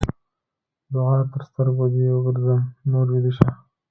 دوعا؛ تر سترګو دې وګرځم؛ نور ويده شه.